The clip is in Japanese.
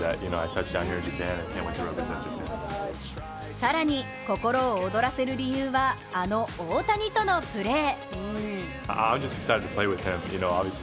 更に心を躍らせる理由はあの大谷とのプレー。